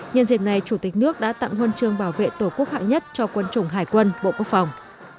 nhân dịp này chủ tịch nước đã tặng huân chương bảo vệ tổ quốc hạng nhất cho quân chủng hải quân bộ quốc phòng